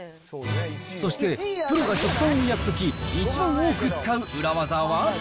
そしてプロが食パンを焼くとき一番多く使う裏ワザは？